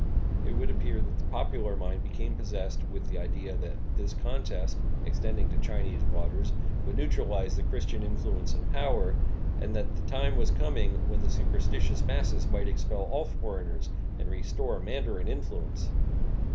It would appear that the popular mind became possessed with the idea that this contest, extending to Chinese waters, would neutralize the Christian influence and power, and that the time was coming when the superstitious masses might expel all foreigners and restore mandarin influence.